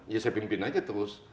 ya saya pimpin aja terus